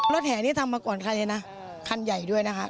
แห่นี้ทำมาก่อนใครเลยนะคันใหญ่ด้วยนะคะ